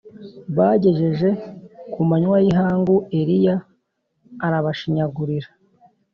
Bagejeje ku manywa y’ihangu Eliya arabashinyagurira